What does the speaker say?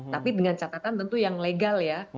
tapi dengan catatan tentu yang legal ya